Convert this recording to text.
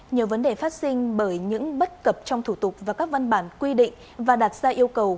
nhiều vấn đề phát sinh bởi những bất cập trong thủ tục và các văn bản quy định và đặt ra yêu cầu